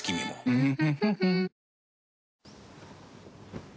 うん。